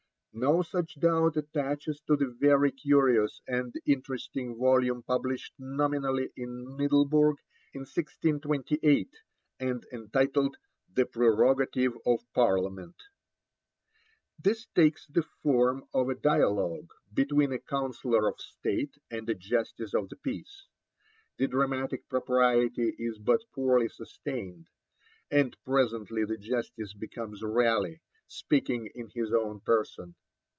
No such doubt attaches to the very curious and interesting volume published nominally at Middelburg in 1628, and entitled The Prerogative of Parliament. This takes the form of a dialogue between a Counsellor of State and a Justice of the Peace. The dramatic propriety is but poorly sustained, and presently the Justice becomes Raleigh, speaking in his own person.